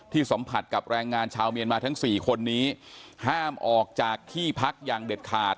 สัมผัสกับแรงงานชาวเมียนมาทั้งสี่คนนี้ห้ามออกจากที่พักอย่างเด็ดขาด